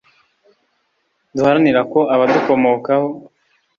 duharanira ko abadukomokaho